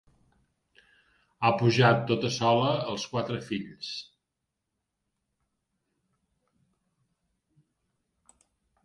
Ha pujat tota sola els quatre fills.